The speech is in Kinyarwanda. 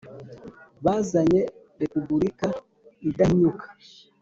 bazanye Repubulika idahinyuka.